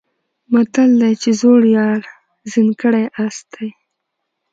متل دی چې زوړ یار زین کړی آس دی.